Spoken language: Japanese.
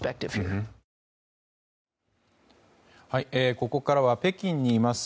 ここからは北京にいます